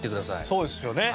そうですよね。